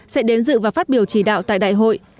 sẽ đến dự và phát biểu chỉ đạo tại đại hội